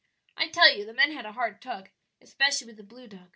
I tell you the men had a hard tug, especially with the blue dog.